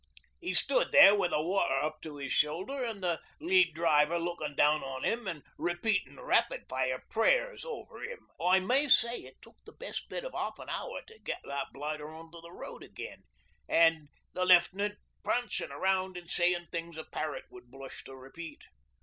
'E stood there wi' the water up to 'is shoulder an' the lead driver lookin' down on 'im an' repeatin' rapid fire prayers over 'im. I may say it took the best bit o' half an hour to get that blighter on to the road again an' the Left'nant prancin' round an' sayin' things a parrot would blush to repeat.